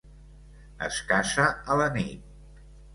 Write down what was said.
Es caça a la nit.